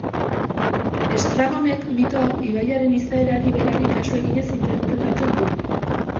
Estrabonek, mito hau, ibaiaren izaerari berari kasu eginez interpretatzen du.